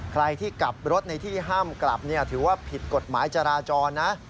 ใครที่กลับรถในที่ห้ามกลับถือว่าผิดกฎหมายจราจรนะ